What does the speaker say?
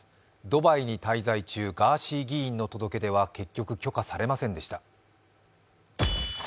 ドバイに滞在中、ガーシー議員の届け出は結局、許可されませんでした。